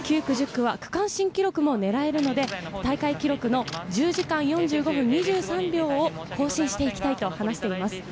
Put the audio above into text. ９区、１０区は区間新記録も狙えるので、大会記録の１０時間４５歩２３秒を更新していきたいと話しています。